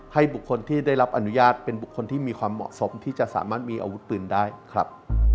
ให้บุคคลที่ได้รับอนุญาตเป็นบุคคลที่มีความเหมาะสมที่จะสามารถมีอาวุธปืนได้ครับ